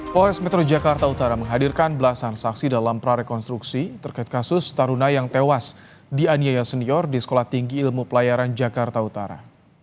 polres metro jakarta utara menghadirkan belasan saksi dalam prarekonstruksi terkait kasus taruna yang tewas di aniaya senior di sekolah tinggi ilmu pelayaran jakarta utara